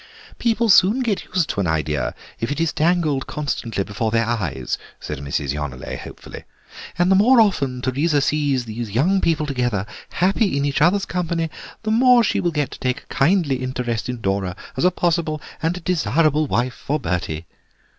"People soon get used to an idea if it is dangled constantly before their eyes," said Mrs. Yonelet hopefully, "and the more often Teresa sees those young people together, happy in each other's company, the more she will get to take a kindly interest in Dora as a possible and desirable wife for Bertie."